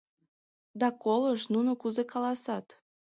Да колышт, нуно кузе каласат.